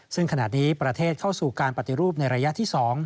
ซึ่งขณะนี้ประเทศเข้าสู่การปฏิรูปในระยะที่๒